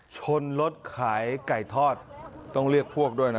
ชนรถขายไก่ทอดต้องเรียกพวกด้วยนะ